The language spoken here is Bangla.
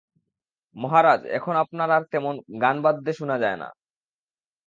মহারাজ এখন আপনার আর তেমন গান বাদ্য শুনা যায় না।